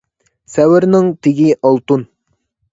سەۋرنىڭ تېگى ئالتۇن.